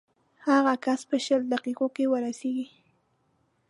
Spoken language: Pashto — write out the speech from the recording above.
هغه کس به شل دقیقو کې ورسېږي.